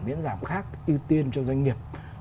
miễn giảm khác ưu tiên cho doanh nghiệp